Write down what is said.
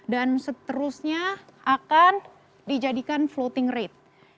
dan seterusnya akan dijadikan floating rate